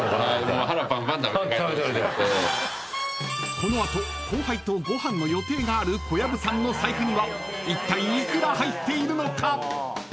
［この後後輩とご飯の予定がある小籔さんの財布にはいったい幾ら入っているのか？］